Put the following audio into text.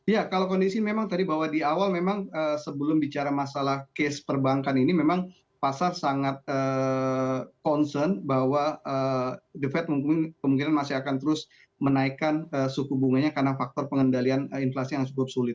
ya kalau kondisi memang tadi bahwa di awal memang sebelum bicara masalah case perbankan ini memang pasar sangat concern bahwa the fed kemungkinan masih akan terus menaikkan suku bunganya karena faktor pengendalian inflasi yang cukup sulit